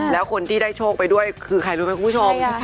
แล้วคนที่ได้โชคไปด้วยคือใครรู้ไหมคุณผู้ชม